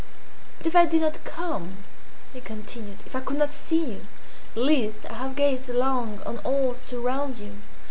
"But if I did not come," he continued, "if I could not see you, at least I have gazed long on all that surrounds you.